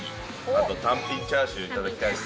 あと単品チャーシュー頂きたいです。